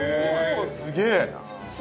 ◆すげえ。